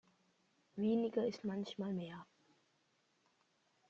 Weniger ist manchmal mehr.